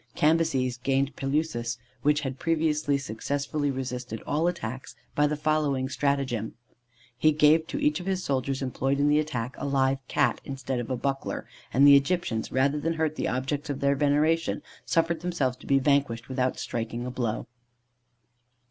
Cambyses gained Pelusis, which had previously successfully resisted all attacks, by the following stratagem: He gave to each of his soldiers employed in the attack a live Cat, instead of a buckler, and the Egyptians, rather than hurt the objects of their veneration, suffered themselves to be vanquished without striking a blow.